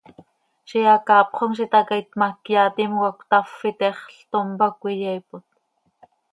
Ziix hacaapxom z itacaiit ma, cyaa timoca cötafp, itexl, tom pac cöyaaipot.